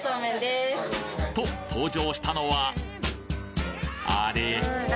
と登場したのはあれ？